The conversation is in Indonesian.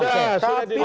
sudah sudah sudah